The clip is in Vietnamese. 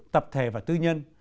tập thể và tư nhân